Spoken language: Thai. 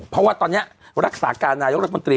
เพราะว่าตอนนี้รักษาการนายกรัฐมนตรี